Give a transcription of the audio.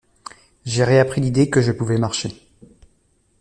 J'ai réappris l'idée que je pouvais marcher.